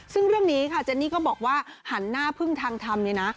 ซึ่งเรื่องนี้ค่ะเจนนี่ก็บอกว่าหันหน้าพึ่งทางทำเลยนะ